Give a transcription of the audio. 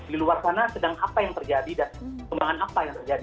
di luar sana sedang apa yang terjadi dan kembangan apa yang terjadi